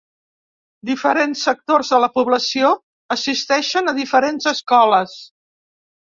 Diferents sectors de la població assisteixen a diferents escoles.